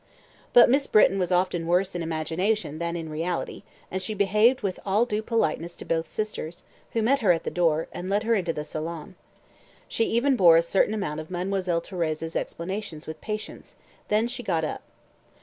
But Miss Britton was often worse in imagination than in reality, and she behaved with all due politeness to both the sisters, who met her at the door, and led her into the salon. She even bore a certain amount of Mademoiselle Thérèse's explanations with patience, then she got up.